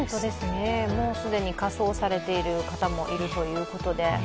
もう既に仮装されている方もいるということで。